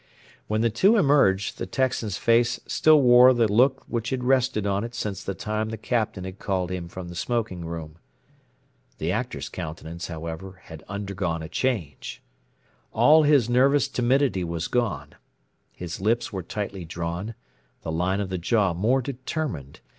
When the two emerged the Texan's face still wore the look which had rested on it since the time the Captain had called him from the smoking room. The Actor's countenance, however, had undergone a change. All his nervous timidity was gone; his lips were tightly drawn, the line of the jaw more determined.